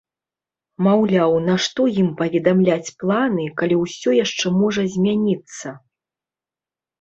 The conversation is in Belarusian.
Маўляў, нашто ім паведамляць планы, калі ўсё яшчэ можа змяніцца?